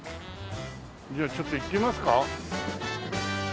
じゃあちょっと行ってみますか。